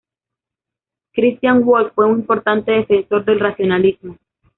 Christian Wolff fue un importante defensor del racionalismo.